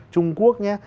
trung quốc nha